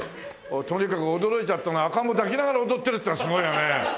とにかく驚いちゃったのが赤ん坊を抱きながら踊ってるっていうのがすごいよね。